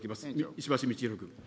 石橋通宏君。